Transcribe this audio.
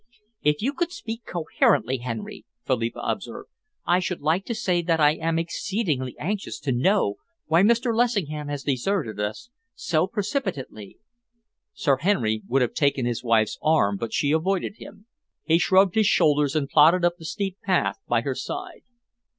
"If you could speak coherently, Henry," Philippa observed, "I should like to say that I am exceedingly anxious to know why Mr. Lessingham has deserted us so precipitately." Sir Henry would have taken his wife's arm, but she avoided him. He shrugged his shoulders and plodded up the steep path by her side.